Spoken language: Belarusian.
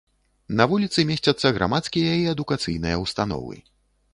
На вуліцы месцяцца грамадскія і адукацыйныя ўстановы.